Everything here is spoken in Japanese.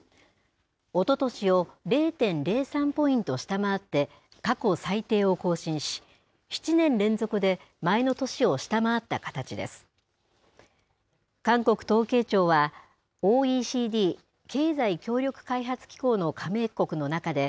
おととしを０．０３ポイント下回って、過去最低を更新し、７年連続で前の年を下回った形です。